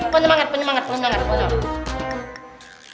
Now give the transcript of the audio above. penyemanget penyemanget penyemanget